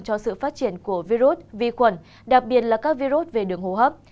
cho sự phát triển của virus vi khuẩn đặc biệt là các virus về đường hô hấp